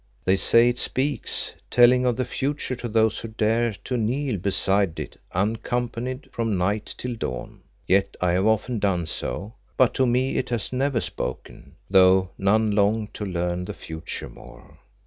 They say it speaks, telling of the future to those who dare to kneel beside it uncompanioned from night till dawn. Yet I have often done so, but to me it has never spoken, though none long to learn the future more."